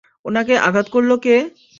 উনাকে আঘাত করল কে?